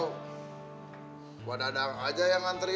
gua dadang aja yang antri